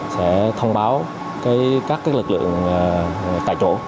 sẽ thông báo các lực lượng tại chỗ